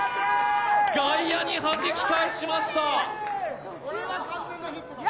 外野にはじき返しました！